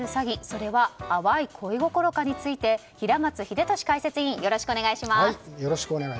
それは淡い恋心かについて平松秀敏解説委員よろしくお願いします。